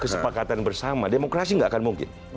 kesepakatan bersama demokrasi gak akan mungkin